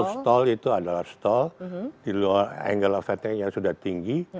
stall itu adalah stall di luar angle of attack yang sudah tinggi